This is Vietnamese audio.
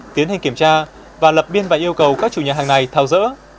tiến hình kiểm tra và lập biên và yêu cầu các chủ nhà hàng này thao dỡ